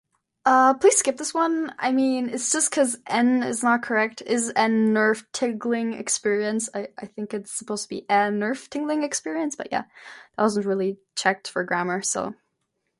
Two hundred miles an hour down the strip is an nerve-tingling experience.